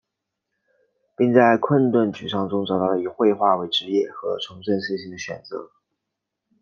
并在困顿沮丧中找到了以绘画为职业和重振信心的选择。